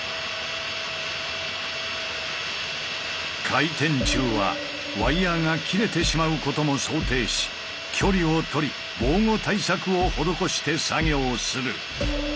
回転中はワイヤーが切れてしまうことも想定し距離を取り防護対策を施して作業する。